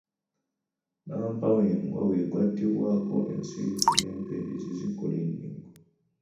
Nnampawengwa bw’egattibwako ensirifu n’empeerezi zikola ennyingo.